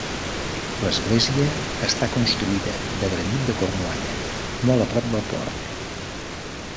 L'església està construïda de granit de Cornualla, molt a prop del port.